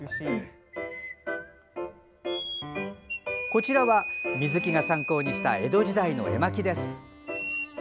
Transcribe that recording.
こちらは水木が参考にした江戸時代の絵巻です。